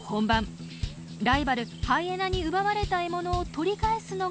ライバルハイエナに奪われた獲物を取り返すのが課題です。